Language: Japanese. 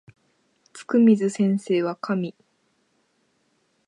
つくみず先生は神